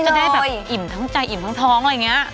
จะได้แบบอิ่มทั้งใจอิ่มทั้งท้องอะไรอย่างนี้